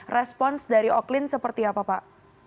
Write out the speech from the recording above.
respons dari oklin seperti apa pak